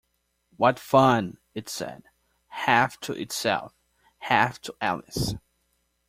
‘What fun!’ it said, half to itself, half to Alice.